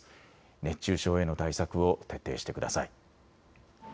熱中症への対策を徹底してください。